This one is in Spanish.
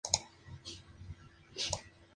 Los animales dejan de comer en forma repentina.